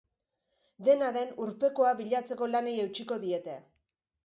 Dena den, urpekoa bilatzeko lanei eutsiko diete.